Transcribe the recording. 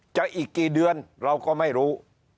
อีกกี่เดือนเราก็ไม่รู้